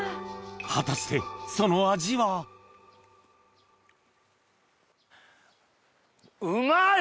果たしてその味はうまい！